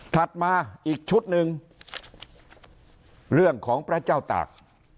มาอีกชุดหนึ่งเรื่องของพระเจ้าตาก